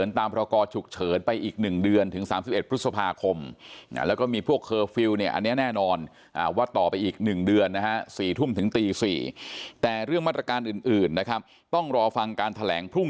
แต่เรื่องมาตรการอื่นนะครับต้องรอฟังการแถลงพรุ่ง